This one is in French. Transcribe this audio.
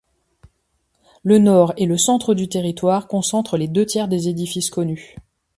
Le nord et le centre du territoire concentre les deux tiers des édifices connus.